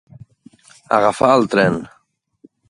Agafar el tren.